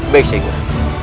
baik syekh guru